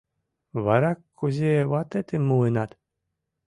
— Вара кузе ватетым муынат?